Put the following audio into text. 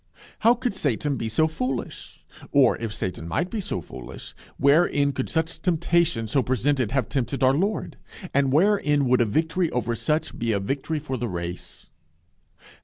How could Satan be so foolish? or, if Satan might be so foolish, wherein could such temptation so presented have tempted our Lord? and wherein would a victory over such be a victory for the race?